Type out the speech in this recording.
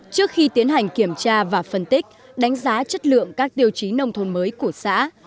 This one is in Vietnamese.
trước khi tiến hành kiểm tra và phân tích đánh giá chất lượng các tiêu chí nông thôn mới của xã